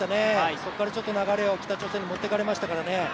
そこから流れを北朝鮮に持っていかれましたからね。